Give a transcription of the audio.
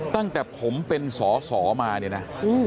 ตั้งแต่ผมเป็นสอสอมาเนี่ยนะ